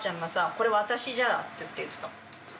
「これ私じゃ」って言ってたもん。